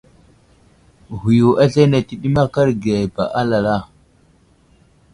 Ghwiyo aslane təɗemmakerge ba alala.